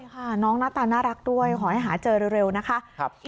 ค่ะน้องหน้าตาน่ารักด้วยขอให้หาเจอเร็วนะคะ